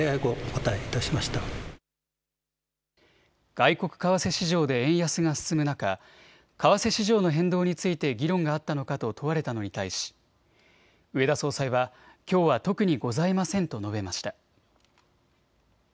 外国為替市場で円安が進む中、為替市場の変動について議論があったのかと問われたのに対し植田総裁はきょうは特にございませんと述べました。